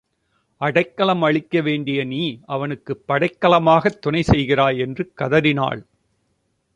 அடைக்கலம் அளிக்க வேண்டிய நீ அவனுக்குப் படைக்கலமாகத் துணை செய்கிறாய் என்று கதறினாள்.